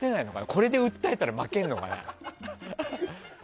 これは訴えたら負けるのかな？